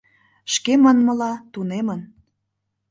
— Шке манмыла, тунемын.